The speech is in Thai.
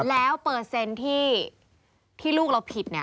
แล้วเปอร์เซ็นต์ที่ลูกเราผิด